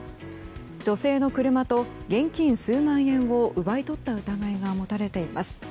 女性の車と現金数万円を奪い取った疑いが持たれています。